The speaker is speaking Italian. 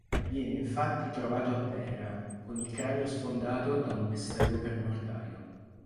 Viene infatti trovato a terra, con il cranio sfondato da un pestello per mortaio.